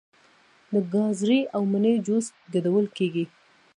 د ګازرې او مڼې جوس ګډول کیږي.